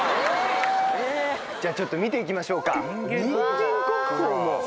じゃあちょっと見て行きましょうか。「人間国宝」。